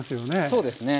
そうですね。